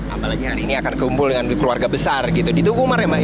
apalagi hari ini akan kumpul dengan keluarga besar gitu di tugumar ya mbak ya